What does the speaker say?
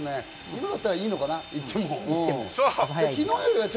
今だったらいいのかな？